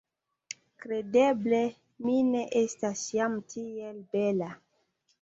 Kredeble mi ne estas jam tiel bela!